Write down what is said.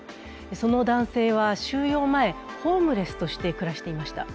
その男性は収容前、ホームレスとして暮らしていました。